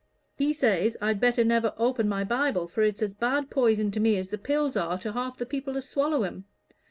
He says I'd better never open my Bible, for it's as bad poison to me as the pills are to half the people as swallow 'em.